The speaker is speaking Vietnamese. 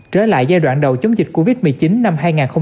trở lại giai đoạn đầu chống dịch covid một mươi chín năm hai nghìn hai mươi